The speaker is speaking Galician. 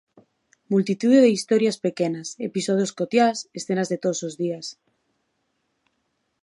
Multitude de historias pequenas, episodios cotiás, escenas de todos os días.